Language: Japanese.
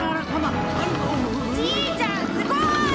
じいちゃんすごい！